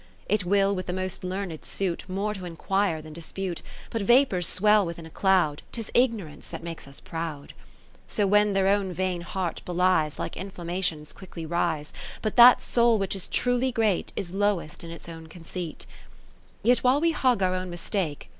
XXI It will with the most learned suit, 81 More to inquire than dispute : But vapours swell within a cloud ; 'Tis Ignorance that makes us proud. XXII So when their own vain heart behes, Like inflammations quickly rise : But that soul which is truly great, Is lowest in its own conceit. XXIII Yet while we hug our own mistake.